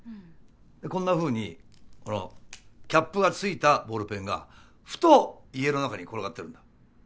でこんなふうにキャップがついたボールペンがふと家の中に転がってるんだ。